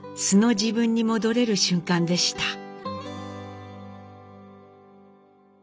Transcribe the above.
素の自分に戻れる瞬間でした。